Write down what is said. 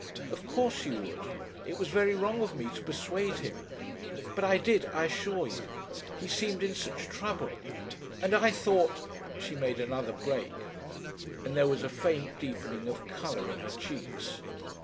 "Of course you would. It was very wrong of me to persuade him. But I did I assure you. He seemed in such trouble. And I thought " She made another break, and there was a faint deepening of colour in her cheeks.